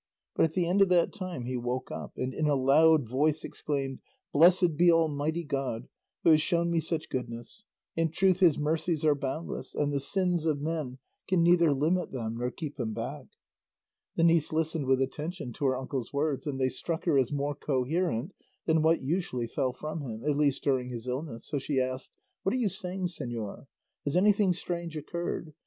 But at the end of that time he woke up, and in a loud voice exclaimed, "Blessed be Almighty God, who has shown me such goodness. In truth his mercies are boundless, and the sins of men can neither limit them nor keep them back!" The niece listened with attention to her uncle's words, and they struck her as more coherent than what usually fell from him, at least during his illness, so she asked, "What are you saying, señor? Has anything strange occurred?